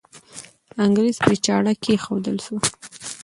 انګریز پرې چاړه کښېښودل سوه.